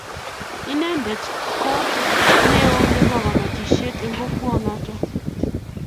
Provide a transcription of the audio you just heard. Inendet ko neo nebo kobotisiet eng kokwanoto